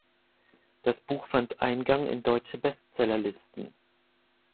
Das Buch fand Eingang in deutsche Bestsellerlisten.